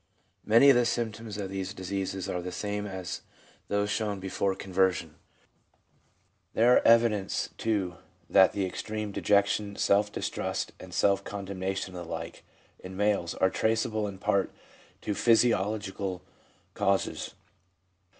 Many of the symptoms of these diseases are the same as those shown before conversion. There are evidences, too, that the extreme dejection, self distrust, self con demnation and the like, in males, are traceable, in part, to physiological causes.